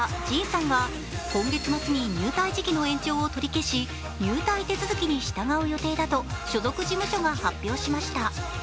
ＪＩＮさんが今月末に入隊時期の延長を取り消し、入隊手続きに従う予定だと所属事務所が発表しました。